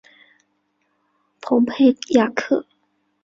蓬佩雅克。